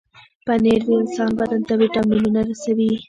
پنېر د انسان بدن ته وټامنونه رسوي.